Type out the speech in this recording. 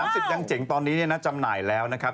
สิทธิ์ยังเจ๋งตอนนี้จำหน่ายแล้วนะครับ